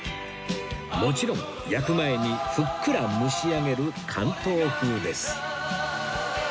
もちろん焼く前にふっくら蒸し上げる関東風です